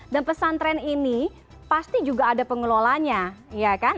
dan pesantren ini pasti juga ada pengelolanya ya kan